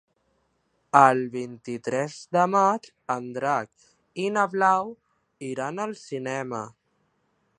El vint-i-tres de maig en Drac i na Blau iran al cinema.